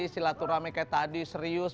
sila terami kayak tadi serius